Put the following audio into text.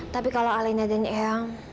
tapi kalau alena dan eang